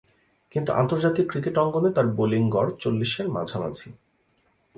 কিন্তু আন্তর্জাতিক ক্রিকেট অঙ্গনে তার বোলিং গড় চল্লিশের মাঝামাঝি।